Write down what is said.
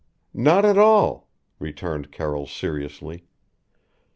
"Not at all," returned Carroll seriously.